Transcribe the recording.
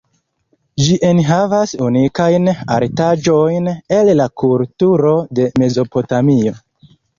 Ĝi enhavas unikajn artaĵojn el la kulturo de Mezopotamio.